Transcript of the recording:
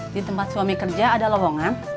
di tempat suami kerja ada lowongan